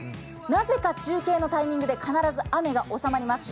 なぜか中継のタイミングで必ず雨がおさまります。